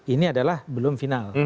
ini adalah belum final